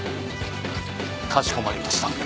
かしこまりました。